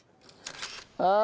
ああ。